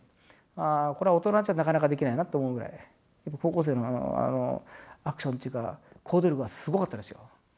ああこれは大人じゃなかなかできないなって思うぐらい高校生のアクションっていうか行動力はすごかったですよ。